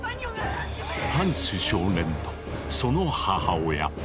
ハンス少年とその母親。